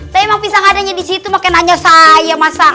memang pisang adanya disitu makanya nanya saya masang